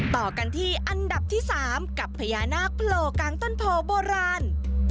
ต่อกันที่อันดับที่๓กับพญานาคโผล่กลางต้นโพโบราณ